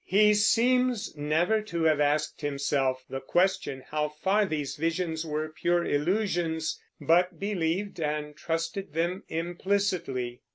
He seems never to have asked himself the question how far these visions were pure illusions, but believed and trusted them implicitly.